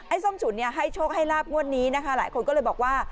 ส้มฉุนเนี่ยให้โชคให้ลาบงวดนี้นะคะหลายคนก็เลยบอกว่า